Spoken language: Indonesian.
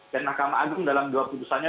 dan mahkamah agung dalam dua putusannya